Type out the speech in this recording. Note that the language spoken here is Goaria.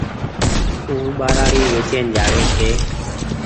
او ٻآرآڙي ويچين جآوي ڇي